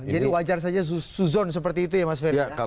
jadi wajar saja suzon seperti itu ya mas ferry